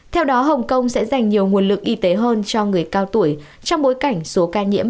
theo đó hồng kông sẽ dành nhiều nguồn lực y tế hơn cho người cao tuổi trong bối cảnh số ca nhiễm